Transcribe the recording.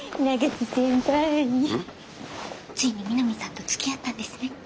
ついに美波さんとつきあったんですね？